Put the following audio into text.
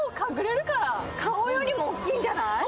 顔よりも大きいんじゃない？